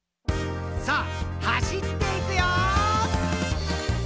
「さあ走っていくよー！」